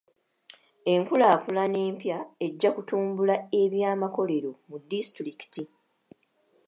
Enkulaakulana empya ejja kutumbula eby'amakolero mu disitulikiti.